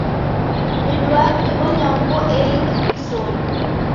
W'iduaa w'ikibonya huw'o ela kivisonyi.